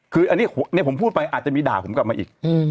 คืออันนี้ผมพูดไปอาจจะมีด่าผมกลับมาอีก